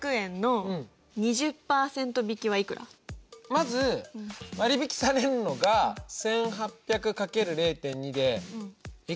まず割引されるのが１８００×０．２でいくつかな。